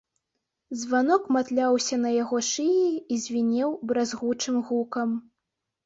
Званок матляўся на яго шыі і звінеў бразгучым гукам.